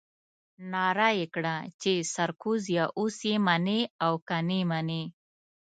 نعره يې کړه چې سرکوزيه اوس يې منې که نه منې.